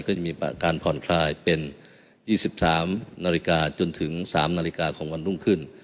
ก็จะมีการผ่อนคลายเป็น๒๓นาฬิกาจนถึง๓นาฬิกาของวันรุ่งขึ้น